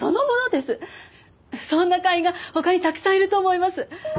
そんな会員が他にたくさんいると思います。